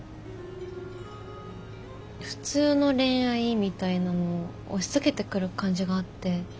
普通の恋愛みたいなのを押しつけてくる感じがあって。